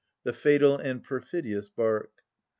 The fatal and perfidious bark